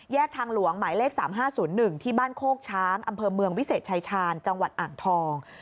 ทางหลวงหมายเลข๓๕๐๑ที่บ้านโคกช้างอำเภอเมืองวิเศษชายชาญจังหวัดอ่างทอง